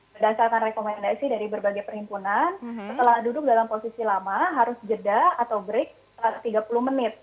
berdasarkan rekomendasi dari berbagai perhimpunan setelah duduk dalam posisi lama harus jeda atau break tiga puluh menit